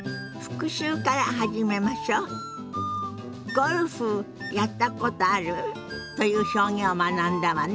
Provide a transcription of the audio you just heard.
「ゴルフやったことある？」という表現を学んだわね。